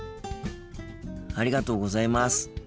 ありがとうございます。